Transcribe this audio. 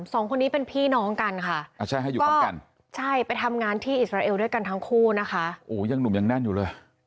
สองคนนี้เป็นพี่น้องกันค่ะไปทำงานที่อิสราเอลด้วยกันทั้งคู่นะคะโอ้ยยังหนุ่มยังแน่นอยู่เลย